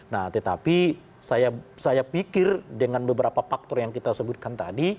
nah tetapi saya pikir dengan beberapa faktor yang kita sebutkan tadi